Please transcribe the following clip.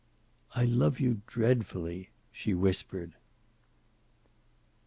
"I love you dreadfully," she whispered.